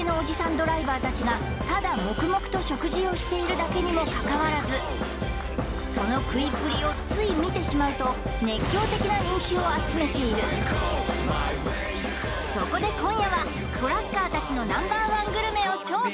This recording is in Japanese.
ドライバーたちがただ黙々と食事をしているだけにもかかわらずその食いっぷりをつい見てしまうとを集めているそこで今夜はトラッカーたちのＮｏ．１グルメを調査